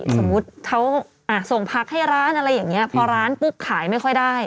สมมุติเขาส่งผักให้ร้านอะไรอย่างนี้พอร้านปุ๊บขายไม่ค่อยได้